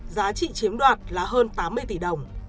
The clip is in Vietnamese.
giá trị chiếm đoạt là hơn tám mươi tỷ đồng